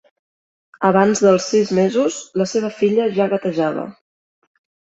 Abans dels sis mesos la seva filla ja gatejava.